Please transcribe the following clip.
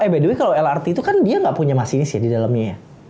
eh by the way kalau lrt itu kan dia nggak punya masinis ya di dalamnya ya